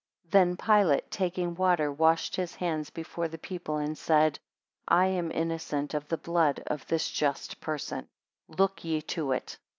20 Then Pilate taking water, washed his hands before the people and said, I am innocent of the blood of this just person; look ye to it.